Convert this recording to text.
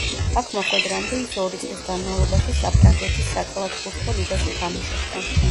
აქ მოხვედრამდე ის ორი წლის განმავლობაში საფრანგეთის საკალათბურთო ლიგაში თამაშობდა.